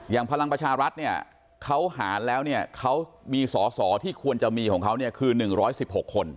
อย่างพลังประชารัฐเขาหาแล้วเขามีสอที่ควรจะมีของเขาคือ๑๑๖คน